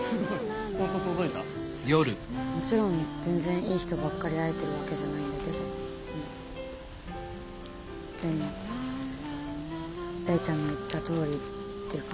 もちろん全然いい人ばっかり会えてるわけじゃないんだけどうんでも玲ちゃんの言ったとおりってかすごい何だろ気が楽。